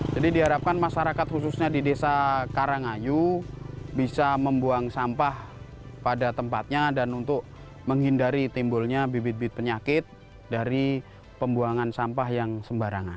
jadi diharapkan masyarakat khususnya di desa karangayu bisa membuang sampah pada tempatnya dan untuk menghindari timbulnya bibit bibit penyakit dari pembuangan sampah yang sembarangan